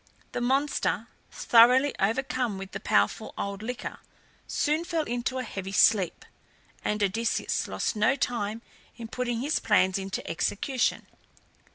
The monster, thoroughly overcome with the powerful old liquor, soon fell into a heavy sleep, and Odysseus lost no time in putting his plans into execution.